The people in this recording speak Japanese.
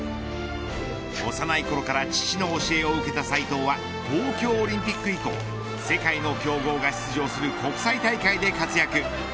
幼いころから父の教えを受けた斉藤は東京オリンピック以降世界の強豪が出場する国際大会で活躍。